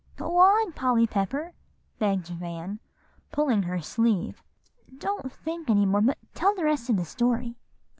] "Go on, Polly Pepper," begged Van, pulling her sleeve; "don't think any more, but tell the rest of the story."